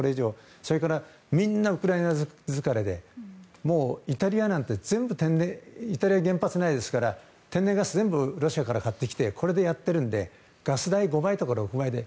それからみんなウクライナ疲れでもうイタリアなんてイタリアは原発がないですから天然ガスを全部ロシアから買ってきてこれでやってるのでガス代、５倍とか６倍で。